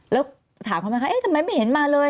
แล้วถามเขาไหมคะเอ๊ะทำไมไม่เห็นมาเลย